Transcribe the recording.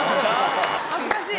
恥ずかしい。